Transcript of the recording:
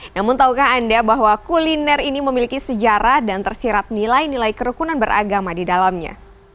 namun tahukah anda bahwa kuliner ini memiliki sejarah dan tersirat nilai nilai kerukunan beragama di dalamnya